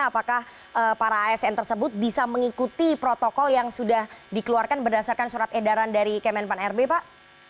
apakah para asn tersebut bisa mengikuti protokol yang sudah dikeluarkan berdasarkan surat edaran dari kemenpan rb pak